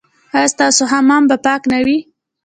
ایا ستاسو حمام به پاک نه وي؟